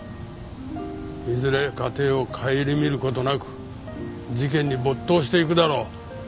いずれ家庭を顧みる事なく事件に没頭していくだろう。